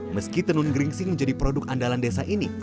meski tenun geringsing menjadi produk andalan desa ini